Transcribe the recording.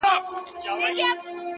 چي روږدي سوی له کوم وخته په گيلاس يمه؛